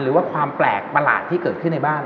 หรือว่าความแปลกประหลาดที่เกิดขึ้นในบ้าน